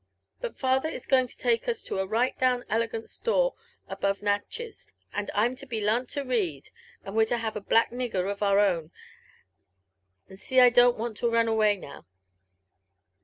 But father is going to take us to a right down elegant store above Nat chez ; and I'm to be larnt to read, and we're to have a black nigger of our own ; and so I don't want to run away now."